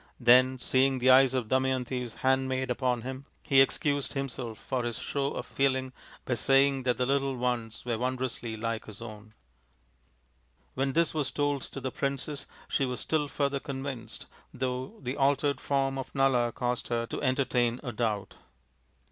Then, seeing the eyes of Damayanti's handmaid upon him, he excused himself for his show of feeling by say ing that the little ones were wondrously like his own! 144 THE INDIAN STORY BOOK When this was told to the princess she was still further convinced, though the altered form of Nala caused her to entertain a doubt.